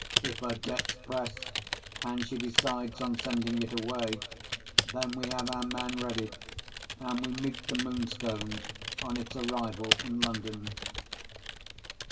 If her debts press, and she decides on sending it away, then we have our man ready, and we meet the Moonstone on its arrival in London."